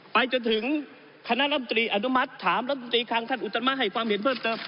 ไปจนถึงคณะลำตรีอนุมัติถามรัฐมนตรีคลังท่านอุตมะให้ความเห็นเพิ่มเติม